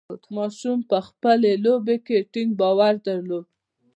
ماشوم په خپلې لوبې کې ټینګ باور درلود.